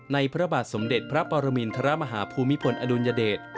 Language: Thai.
พระบาทสมเด็จพระปรมินทรมาฮาภูมิพลอดุลยเดช